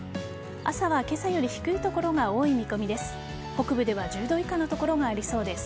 朝は、今朝より低い所が多い見込みです。